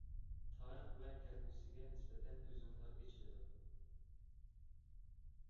تارىخ ۋە كەلگۈسىگە نىسبەتەن كۆزۈڭلار ئېچىلىدۇ.